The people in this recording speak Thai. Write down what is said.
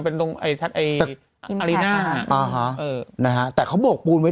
เป็นตรงไอท์ไออาลีน่าเออฮะเอออ๋อนะฮะแต่เค้าบวกปูนไว้